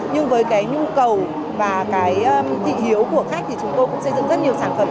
nhưng với cái nhu cầu và cái thị hiếu của khách thì chúng tôi cũng xây dựng rất nhiều sản phẩm